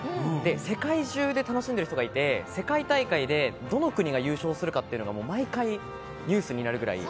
世界中で楽しんでいる人がいて、世界大会でどの国が優勝するかが毎回ニュースになるくらい。